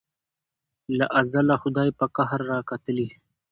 له ازله خدای په قهر را کتلي